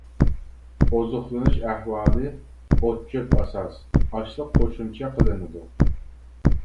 ئوزۇقلىنىش ئەھۋالى ئوت-چۆپ ئاساس، ئاشلىق قوشۇمچە قىلىنىدۇ.